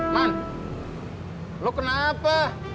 man lo kenapa